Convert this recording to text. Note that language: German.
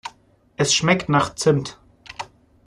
Es schmeckt nach Zimt.